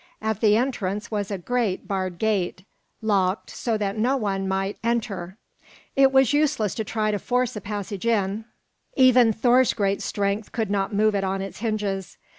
At the entrance was a great barred gate, locked so that no one might enter. It was useless to try to force a passage in; even Thor's great strength could not move it on its hinges.